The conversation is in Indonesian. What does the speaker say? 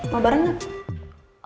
mau bareng gak